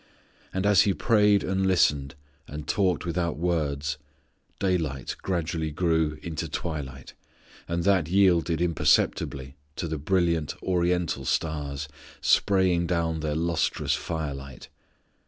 And as He prayed and listened and talked without words, daylight gradually grew into twilight, and that yielded imperceptibly to the brilliant Oriental stars spraying down their lustrous fire light.